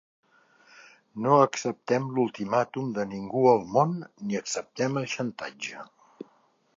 No acceptem l’ultimàtum de ningú al món, ni acceptem el xantatge.